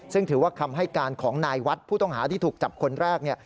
ซึ่งถือว่าคำให้การของนายวัดผู้ต้องหาที่ถูกจับคนแรก